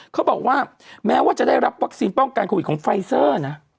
เขาบอกว่าแม้ว่าจะได้รับวัคซีนป้องกันโควิดของไฟเซอร์นะ